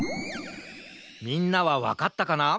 みんなはわかったかな？